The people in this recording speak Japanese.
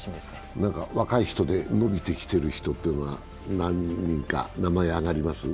若い人で伸びてきている人というのは何人か名前挙がります？